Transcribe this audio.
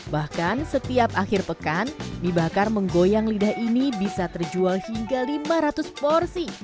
bahkan setiap akhir pekan mie bakar menggoyang lidah ini bisa terjual hingga lima ratus porsi